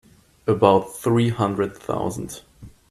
About three hundred thousand.